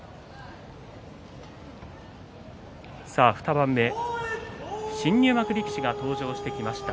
２番目、新入幕力士が登場してきました。